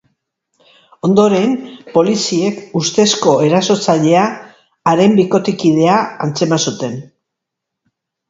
Ondoren, poliziek ustezko erasotzailea, haren bikotekidea, atzeman zuten.